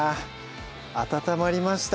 温まりました